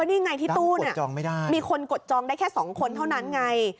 ด้านกดจองไม่ได้มีคนกดจองได้แค่สองคนเท่านั้นไง